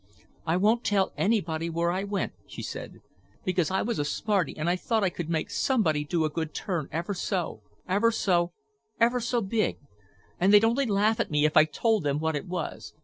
"I won't tell anybody where I went," she said, "because I was a smarty and I thought I could make somebody do a good turn ever so—ever so big. And they'd only laugh at me if I told them what it was.